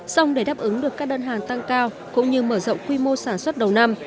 xong để đáp ứng được các đơn hàng tăng cao cũng như mở rộng quy mô sản xuất đầu năm